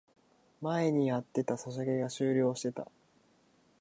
前にやってたソシャゲが終了してた